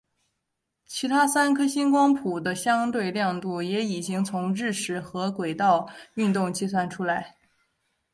其他三颗星光谱的相对亮度也已经从日食和轨道运动计算出来。